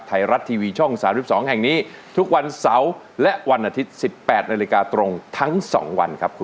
ไทยรัฐทีวีช่อง๓๒แห่งนี้ทุกวันเสาร์และวันอาทิตย์๑๘นาฬิกาตรงทั้ง๒วันครับคุณ